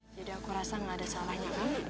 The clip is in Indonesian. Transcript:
jadi aku rasa gak ada salahnya kan